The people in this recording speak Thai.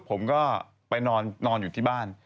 ผมก็ไปนอนอยู่ที่บ้าน